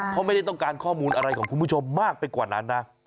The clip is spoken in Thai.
เขาไม่ได้ต้องการข้อมูลอะไรของคุณผู้ชมมากไปกว่านั้นนะ